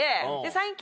最近。